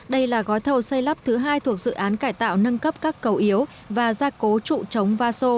đây là gói thầu xây lắp thứ hai thuộc dự án cải tạo nâng cấp các cầu yếu và gia cố trụ chống va sô